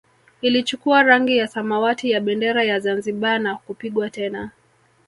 Ilichukua rangi ya samawati ya bendera ya Zanzibar na kupigwa tena